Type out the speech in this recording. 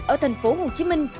ở thành phố hồ chí minh